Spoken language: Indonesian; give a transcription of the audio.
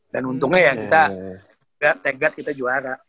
dan untungnya ya kita tag guard kita juara